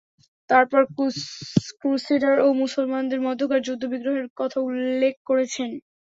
তারপর ক্রুসেডার ও মুসলমানদের মধ্যকার যুদ্ধ-বিগ্রহের কথা উল্লেখ করেছেন।